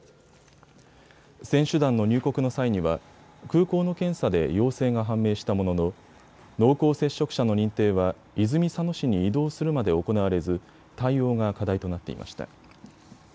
選手団の入国の際には空港の検査で陽性が判明したものの濃厚接触者の認定は泉佐野市に移動するまで行われず対応が課題となっていました。